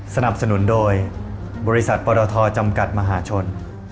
สนับสนุนโดยบริษัทปรทจำกัดมหาชน